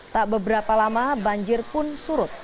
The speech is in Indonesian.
tak beberapa lama banjir pun surut